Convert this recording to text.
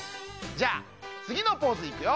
じゃあつぎのポーズいくよ。